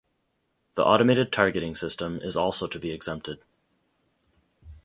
The Automated Targeting System is also to be exempted.